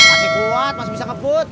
masih kuat masih bisa keput